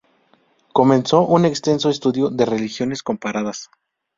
Comenzó un extenso estudio de religiones comparadas.